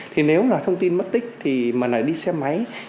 thì nếu là thông tin mất tích thì mà lại đi xe máy